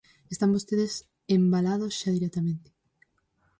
Están vostedes embalados xa directamente.